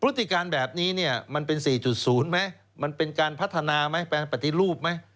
ติการแบบนี้เนี่ยมันเป็น๔๐ไหมมันเป็นการพัฒนาไหมการปฏิรูปไหม